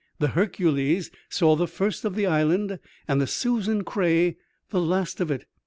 The Hercules saw the first of the island, and the Susan Qray the last of it.